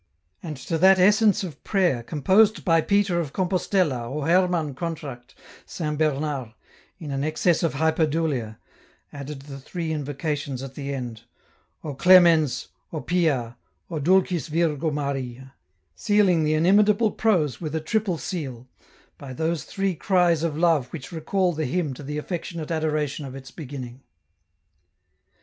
And to that essence of prayer composed by Peter of Compostella or Hermann Contract, Saint Bernard, in an excess of hyperdulia, added the three invocations at the end, " O Clemens, O pia, O dulcis Virgo Maria," sealing the inimitable prose with a triple seal, by those three cries of love which recall the hymn to the affectionate adoration of its beginning.